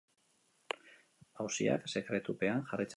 Auziak sekretupean jarraitzen du.